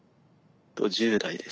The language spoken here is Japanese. １０代です。